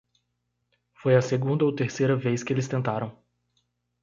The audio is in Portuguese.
Foi a segunda ou terceira vez que eles tentaram.